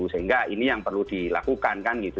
sehingga ini yang perlu dilakukan kan gitu